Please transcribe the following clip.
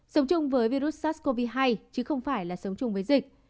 sống chung với virus sars cov hai chứ không phải là sống chung với dịch